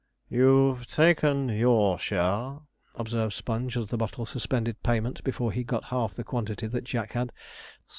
'You've taken your share,' observed Sponge, as the bottle suspended payment before he got half the quantity that Jack had.